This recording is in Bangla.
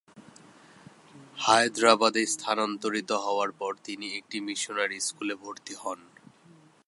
হায়দ্রাবাদে স্থানান্তরিত হওয়ার পর তিনি একটি মিশনারী স্কুলে ভর্তি হন।